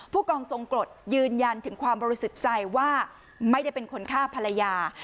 ผู้กองทรงกรดยืนยันถึงความบริสุทธิ์ใจว่าไม่ได้เป็นคนฆ่าภรรยา